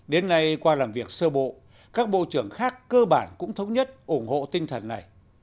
đến nay qua làm việc sơ bộ các bộ trưởng khác cơ bản cũng thống nhất ủng hộ tinh thần này